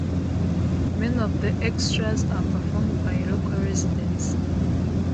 Many of the extras are performed by local residents.